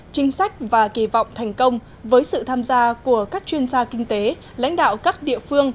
chính sách và kỳ vọng thành công với sự tham gia của các chuyên gia kinh tế lãnh đạo các địa phương